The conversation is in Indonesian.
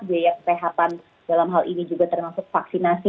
biaya kesehatan dalam hal ini juga termasuk vaksinasi